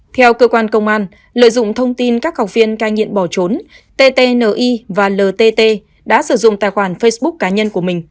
theo cơ quan công an lợi dụng thông tin các học viên cai nghiện bỏ trốn tti và ltt đã sử dụng tài khoản facebook cá nhân của mình